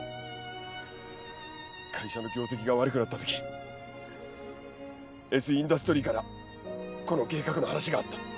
会社の業績が悪くなったときＳ・インダストリーからこの計画の話があった。